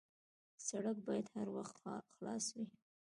سړک باید هر وخت خلاص وي.